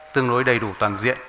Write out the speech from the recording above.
tương đối đầy đủ toàn diện